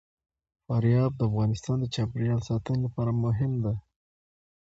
فاریاب د افغانستان د چاپیریال ساتنې لپاره مهم دي.